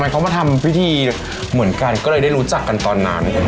เขามาทำพิธีเหมือนกันก็เลยได้รู้จักกันตอนนั้น